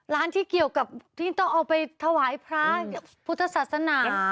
ร้านที่เกี่ยวกับที่ต้องเอาไปถวายพระพุทธศาสนา